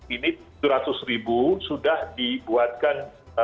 ini tujuh ratus ribu sudah dibuatkan